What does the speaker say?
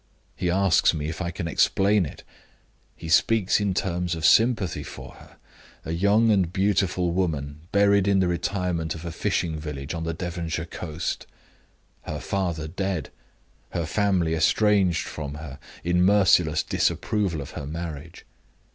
He asks me if I can explain it. He speaks in terms of sympathy for her a young and beautiful woman, buried in the retirement of a fishing village on the Devonshire coast; her father dead; her family estranged from her, in merciless disapproval of her marriage.